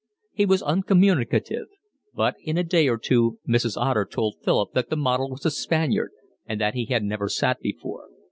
He was uncommunicative, but in a day or two Mrs. Otter told Philip that the model was a Spaniard and that he had never sat before.